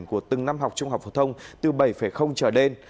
của từng năm học trung học phổ thông từ bảy trở lên